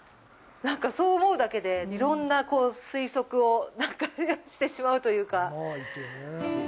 そう思うだけでいろんな推測をしてしまうというか。